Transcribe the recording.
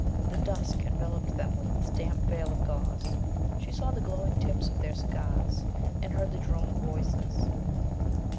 The dusk enveloped them with its damp veil of gauze. She saw the glowing tips of their cigars, and heard the drone of voices.